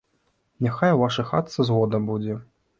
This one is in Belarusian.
Няхай у вашай хатцы згода будзе!